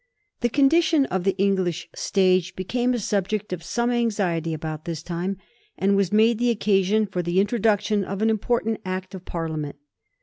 The condition of tbe English stage became a subject of some anitiety about this time, and was made the occa sion for the introduction of an important Act of Parlia ment.